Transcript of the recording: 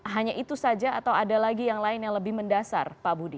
hanya itu saja atau ada lagi yang lain yang lebih mendasar pak budi